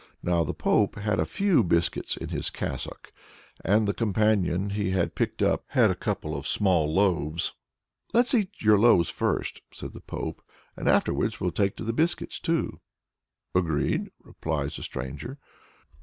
Now the Pope had a few biscuits in his cassock, and the companion he had picked up had a couple of small loaves. "Let's eat your loaves first," says the Pope, "and afterwards we'll take to the biscuits, too." "Agreed!" replies the stranger.